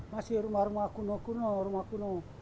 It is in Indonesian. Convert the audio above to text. masih rumah rumah kuno kuno